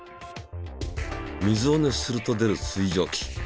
水を熱すると出る水蒸気。